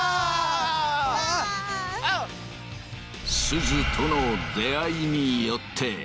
すずとの出会いによって昴